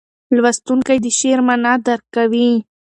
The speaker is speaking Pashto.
لوستونکی د شعر معنا درک کوي.